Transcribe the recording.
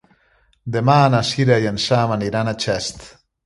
Demà na Cira i en Sam aniran a Xest.